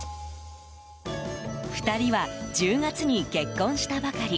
２人は１０月に結婚したばかり。